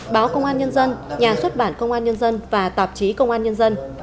báo công an nhân dân nhà xuất bản công an nhân dân và tạp chí công an nhân dân